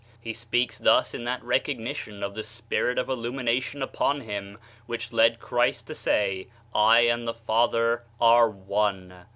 He speaks thus in that recog nition of the spirit of illumination upon him which led Christ to say: "I and the Father are one."